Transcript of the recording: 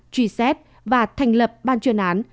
truy xét và thành lập ban chuyên án